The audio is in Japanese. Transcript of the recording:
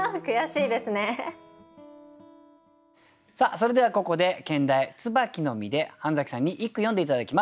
それではここで兼題「椿の実」で半さんに一句詠んで頂きます。